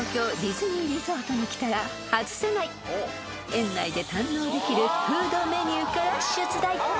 ［園内で堪能できるフードメニューから出題］